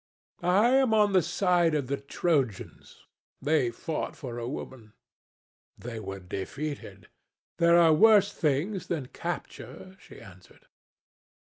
"I am on the side of the Trojans. They fought for a woman." "They were defeated." "There are worse things than capture," she answered.